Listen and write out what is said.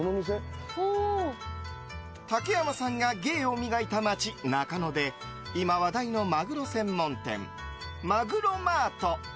竹山さんが芸を磨いた街中野で今、話題のマグロ専門店マグロマート。